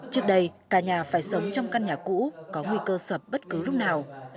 trước đây cả nhà phải sống trong căn nhà cũ có nguy cơ sập bất cứ lúc nào